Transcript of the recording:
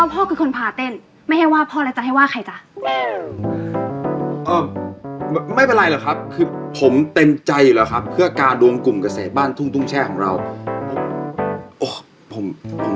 ไม่เป็นไรรึต่ะครับคือผมเต็มใจหรอกครับเห้อกาดวงกลุ่มกระแสบ้านมายุคนร่าพี่